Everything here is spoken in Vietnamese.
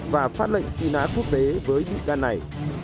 và phát lệnh truy nã quốc tế với bị can này